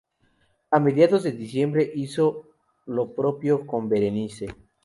A mediados de diciembre hizo lo propio con "Berenice".